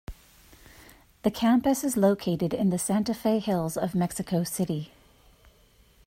The campus is located in the Santa Fe hills of Mexico City.